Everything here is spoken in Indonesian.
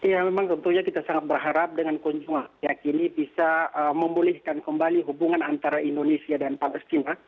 ya memang tentunya kita sangat berharap dengan kunjungan pihak ini bisa memulihkan kembali hubungan antara indonesia dan palestina